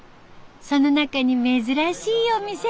その中に珍しいお店。